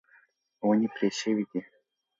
ونې پرې شوې دي.